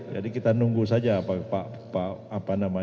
jadi kita nunggu saja pak jokowi pak ma'ruf ngasih kuasa ke kita